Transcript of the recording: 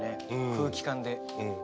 空気感で。